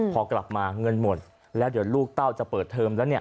พอกลับมาเงินหมดแล้วเดี๋ยวลูกเต้าจะเปิดเทอมแล้วเนี่ย